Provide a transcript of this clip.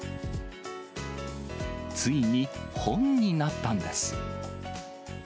ついに本になったんです。